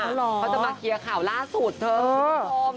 อ๋อเหรอเขาจะมาเคลียร์ข่าวล่าสุดเถอะพร้อม